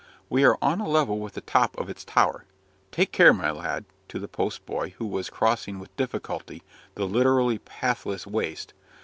We are on a level with the top of its tower. Take care, my lad," to the post boy, who was crossing with difficulty the literally "pathless waste."